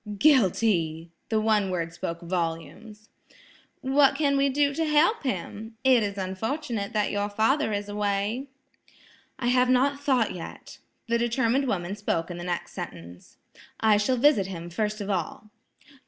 "Guilty!" the one word spoke volumes. "What can we do to help him? It is unfortunate that your father is away." "I have not thought yet." The determined woman spoke in the next sentence, "I shall visit him first of all."